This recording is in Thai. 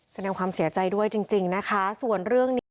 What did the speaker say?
แสดงความเสียใจด้วยจริงจริงนะคะส่วนเรื่องนี้